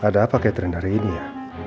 ada apa catherine dari ini ya